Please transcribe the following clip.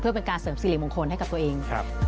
เพื่อเป็นการเสริมสิริมงคลให้กับตัวเอง